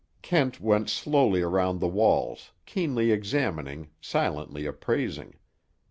Kent went slowly around the walls, keenly examining, silently appraising.